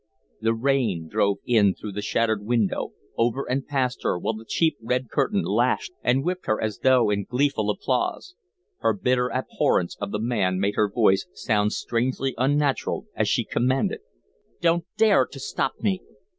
The rain drove in through the shattered window, over and past her, while the cheap red curtain lashed and whipped her as though in gleeful applause. Her bitter abhorrence of the man made her voice sound strangely unnatural as she commanded: "Don't dare to stop me."